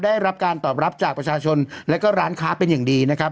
ได้รับการตอบรับจากประชาชนและก็ร้านค้าเป็นอย่างดีนะครับ